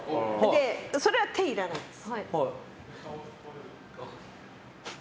それは手いらないです。